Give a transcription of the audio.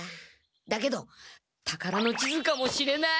だけどたからの地図かもしれない！